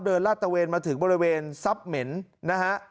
เดินลาดตะเวนมาถึงบริเวณซับเหม็นนะฮะ